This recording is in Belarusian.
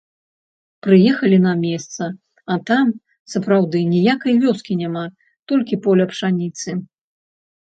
Прыехалі на месца, а там, сапраўды, ніякай вёскі няма, толькі поле пшаніцы.